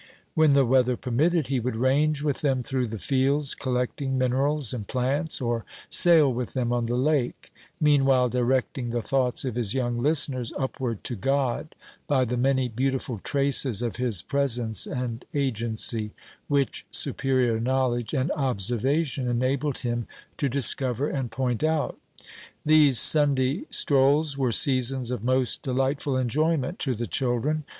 When the weather permitted, he would range with them through the fields, collecting minerals and plants, or sail with them on the lake, meanwhile directing the thoughts of his young listeners upward to God, by the many beautiful traces of his presence and agency, which superior knowledge and observation enabled him to discover and point out. These Sunday strolls were seasons of most delightful enjoyment to the children.